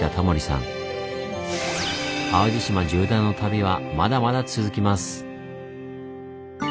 淡路島縦断の旅はまだまだ続きます。